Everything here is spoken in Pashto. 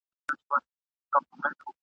چي د حق پړی یې غاړي ته زیندۍ کړ !.